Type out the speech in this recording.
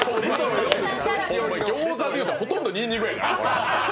ギョーザでいうとほとんどにんにくやから。